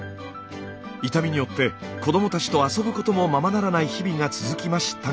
痛みによって子どもたちと遊ぶこともままならない日々が続きましたが。